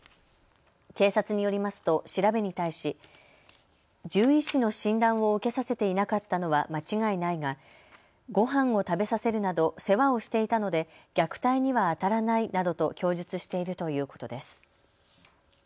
警察によりますと調べに対し獣医師の診断を受けさせていなかったのは間違いないがごはんを食べさせるなど世話をしていたので虐待にはあたらないなどと供述しているということです。